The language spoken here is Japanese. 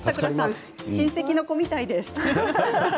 親戚の子みたいです。